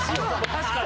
確かに。